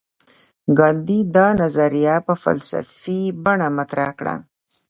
ګاندي دا نظریه په فلسفي بڼه مطرح کړه.